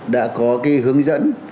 đã có cái hướng dẫn